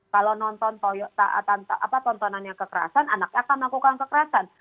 kalau nonton tontonannya kekerasan anaknya akan melakukan kekerasan